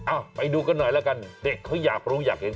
อ้าวไปดูกันหน่อยละกันเด็กเค้าอยากรู้อยากเห็น